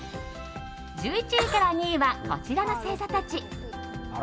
１１位から２位はこちらの星座たち。